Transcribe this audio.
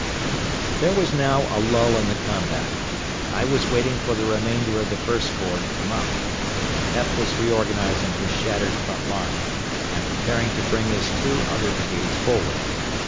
There was now a lull in the combat. I was waiting for the remainder of the First Corps to come up, and Heth was reorganizing his shattered front line, and preparing to bring his two other brigades forward.